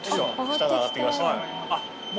下が上がってきました。